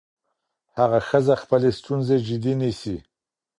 هغه ښځه خپلې ستونزې جدي نيسي.